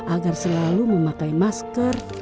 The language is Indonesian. agar selalu memakai masker